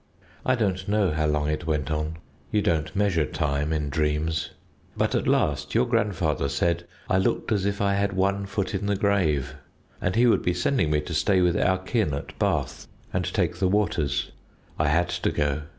I don't know how long it went on you don't measure time in dreams but at last your grandfather said I looked as if I had one foot in the grave, and he would be sending me to stay with our kin at Bath and take the waters. I had to go.